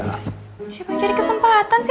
siapa yang cari kesempatan sih